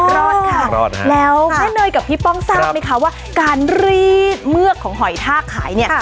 รอดค่ะรอดค่ะแล้วแม่เนยกับพี่ป้องทราบไหมคะว่าการรีดเมือกของหอยท่าขายเนี่ย